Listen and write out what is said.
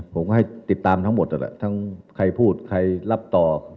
ผมก็ให้ติดตามทั้งหมดทั้งใครพูดใครรับต่อ